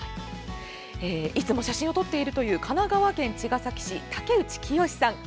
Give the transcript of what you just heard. いつも写真を撮っているという神奈川県茅ヶ崎市竹内清さん。